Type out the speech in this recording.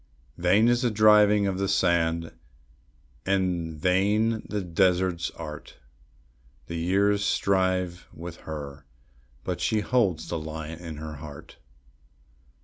Vain is the driving of the sand, and vain the desert's art; The years strive with her, but she holds the lion in her heart.